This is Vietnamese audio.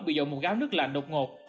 bị dội một gáo nước lạnh độc ngột